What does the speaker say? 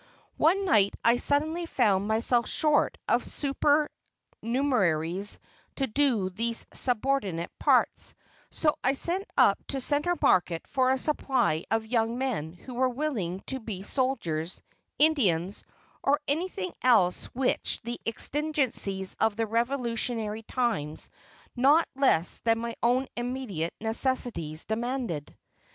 One night I suddenly found myself short of supernumeraries to do these subordinate parts, so I sent up to Centre Market for a supply of young men who were willing to be soldiers, Indians, or anything else which the exigencies of Revolutionary times not less than my own immediate necessities demanded.